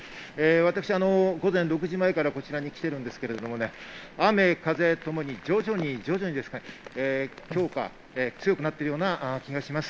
私、午前６時前からこちらに来ているんですけどね、雨・風ともに徐々に徐々に強くなっているような気がします。